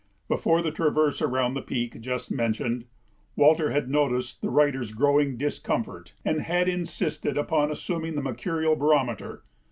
Before the traverse around the peak just mentioned, Walter had noticed the writer's growing discomfort and had insisted upon assuming the mercurial barometer.